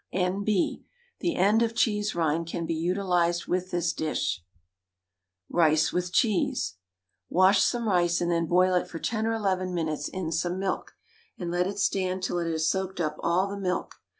N.B. The end of cheese rind can be utilised with this dish. RICE WITH CHEESE. Wash some rice and then boil it for ten or eleven minutes in some milk, and let it stand till it has soaked up all the milk.